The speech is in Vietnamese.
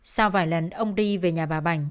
sau vài lần ông ri về nhà bà bảnh